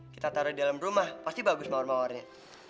kita taruh di dalam rumah pasti bagus mawar mawarnya